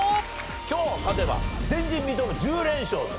今日勝てば前人未到の１０連勝です。